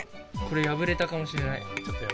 これ破れたかもしれない。